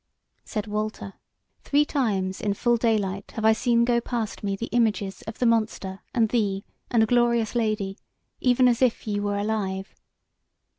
Said Walter: "Three times in full daylight have I seen go past me the images of the monster and thee and a glorious lady, even as if ye were alive."